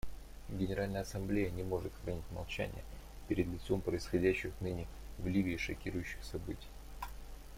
Генеральная Ассамблея не может хранить молчание перед лицом происходящих ныне в Ливии шокирующих событий.